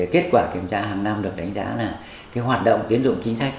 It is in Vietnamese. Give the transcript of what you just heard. kết quả kiểm tra hàng năm được đánh giá là hoạt động tiến dụng chính sách